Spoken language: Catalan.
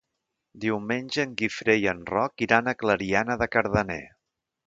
Diumenge en Guifré i en Roc iran a Clariana de Cardener.